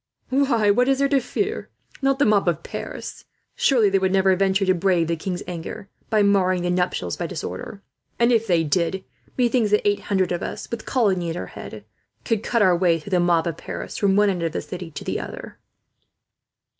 "Why, what is there to fear?" Francois said, laughing. "Not the mob of Paris, surely. They would never venture to brave the king's anger by marring the nuptials by disorder; and if they did, methinks that eight hundred of us, with Coligny at our head, could cut our way through the mob of Paris from one end of the city to the other."